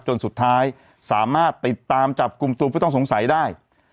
จนสุดท้ายสามารถติดตามจับกลุ่มตัวผู้ต้องสงสัยได้